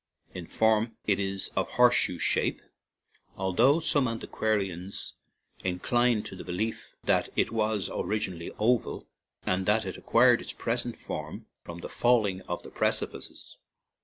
In form it is of horse shoe shape, although some antiquarians incline to the belief that it was originally oval, and that it acquired its present form from the falling of the precipices.